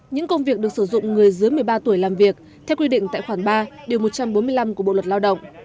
những công việc được sử dụng người dưới một mươi ba tuổi làm việc theo quy định tại khoản ba điều một trăm bốn mươi năm của bộ luật lao động